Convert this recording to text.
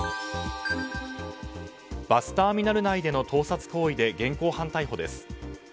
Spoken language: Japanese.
バスターミナル内での盗撮行為で現行犯逮捕です。